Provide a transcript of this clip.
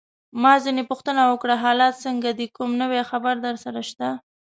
ما ځینې پوښتنه وکړه: حالات څنګه دي؟ کوم نوی خبر درسره شته؟